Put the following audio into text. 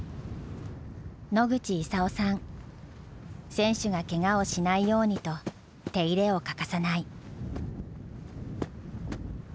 選手がケガをしないようにと手入れを欠かさない。